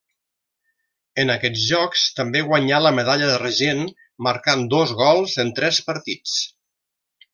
En aquests jocs també guanyà la medalla d'argent, marcant dos gols en tres partits.